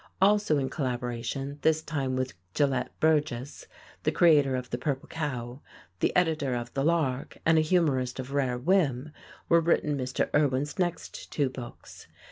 Also in collaboration, this time with Gelett Burgess, the creator of "The Purple Cow," the editor of The Lark, and a humorist of rare whim, were written Mr. Irwin's next two books.